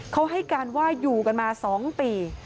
เขาให้การว่าอยู่กันมา๒ปี